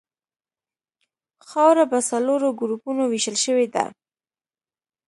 خاوره په څلورو ګروپونو ویشل شوې ده